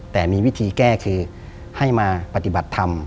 แต่มีวิธีแก้คือให้มาปฏิบัติธรรม